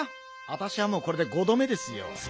わたしはもうこれで５ど目ですよ。